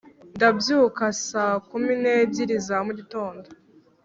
ndabyuka saa kumi n'ebyiri za mugitondo